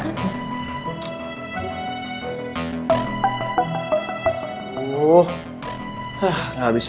gak abis pikir gue sama dinosaurus yang satu ini tuh kok